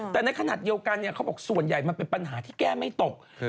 แต่ในขณะเดียวกันเขาบอกส่วนใหญ่มันเป็นปัญหาที่แก้ไม่ตก